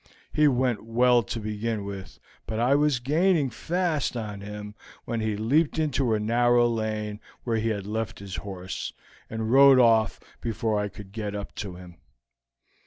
He ran well to begin with, but I was gaining fast on him when he leaped into a narrow lane where he had left his horse, and rode off before I could get up to him.